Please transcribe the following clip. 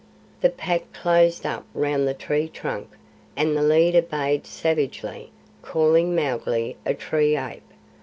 The Pack closed up round the tree trunk and the leader bayed savagely, calling Mowgli a tree ape.